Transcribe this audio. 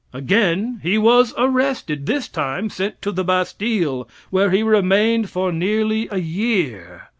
Again he was arrested; this time sent to the Bastille, where he remained for nearly a year.